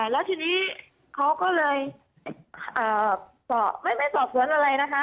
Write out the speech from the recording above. แล้วทีนี้เขาก็เลยไม่ไปสอบสวนอะไรนะคะ